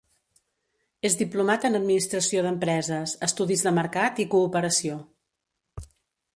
És diplomat en Administració d'empreses, Estudis de Mercat i Cooperació.